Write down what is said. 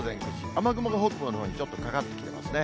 雨雲が北部のほうにちょっとかかってきてますね。